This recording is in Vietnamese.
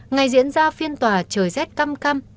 ngày diễn ra phiên tòa trời rét cam cam